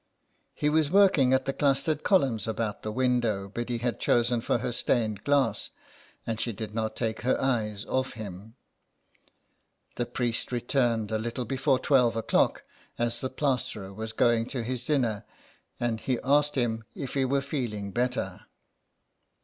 He was working at the clustered columns about the window Biddy had chosen for her stained glass and she did not take her eyes off him. The priest returned a little before twelve o'clock, as the plasterer was going to his dinner, and he asked him if he were feeling better.